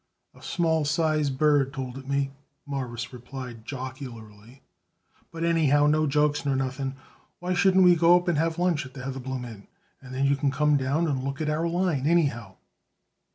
"A small size bird told it me," Morris replied jocularly. "But, anyhow, no jokes nor nothing, why shouldn't we go up and have lunch at the Heatherbloom Inn? And then you can come down and look at our line, anyhow."